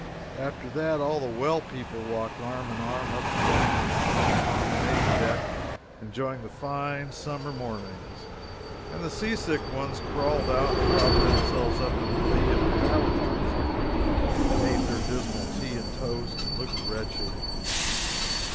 After that all the well people walked arm in arm up and down the long promenade deck, enjoying the fine summer mornings, and the seasick ones crawled out and propped themselves up in the lee of the paddle boxes and ate their dismal tea and toast, and looked wretched.